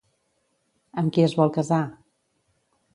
Amb qui es vol casar?